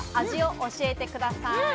味を教えてください。